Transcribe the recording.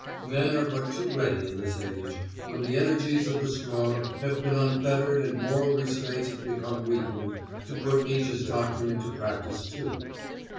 Men are but too ready in this age, when the energies of the strong have been unfettered and moral restraints have become weakened, to put Nietzche's doctrine into practice too.